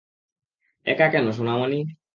একা কেন, সোনামণি?